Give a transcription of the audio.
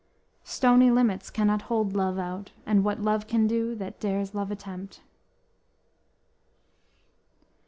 "__"Stony limits cannot hold love out; And what love can do, that dares love attempt."